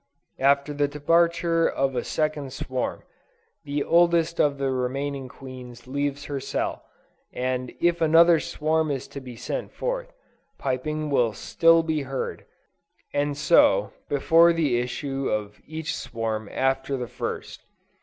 After the departure of a second swarm, the oldest of the remaining queens leaves her cell; and if another swarm is to be sent forth, piping will still be heard, and so before the issue of each swarm after the first.